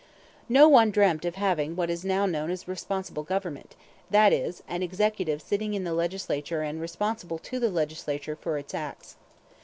No one dreamt of having what is now known as responsible government, that is, an executive sitting in the legislature and responsible to the legislature for its acts.